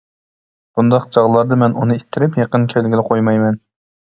بۇنداق چاغلاردا مەن ئۇنى ئىتتىرىپ يېقىن كەلگىلى قويمايمەن.